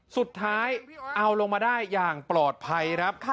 สุดท้ายเอาลงมาได้อย่างปลอดภัยครับ